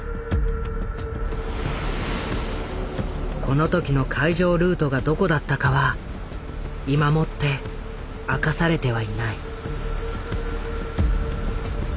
この時の海上ルートがどこだったかは今もって明かされてはいない。